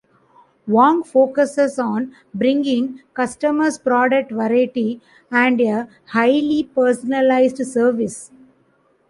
Wong focuses on bringing customers product variety and a highly personalized service.